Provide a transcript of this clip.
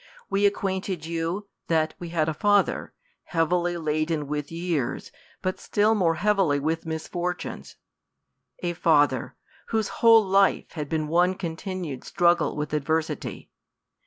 We acquainted you, that we had a father, heavily la den with years, but still more heavily with misfortunes ; a father, whose whole life had been one continued strug gle with adversity.